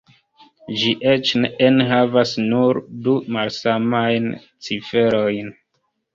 Ĝi eĉ enhavas nur du malsamajn ciferojn.